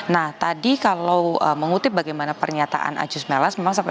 nah tadi kalau mengutip bagaimana pernyataan acus melas